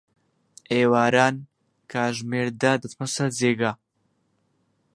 ئێواران، کاتژمێر دە دەچمە سەر جێگا.